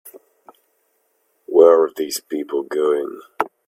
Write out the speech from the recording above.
Where are these people going ?